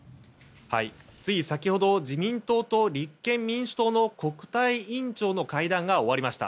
つい先ほど自民党と立憲民主党の国対委員長の会談が終わりました。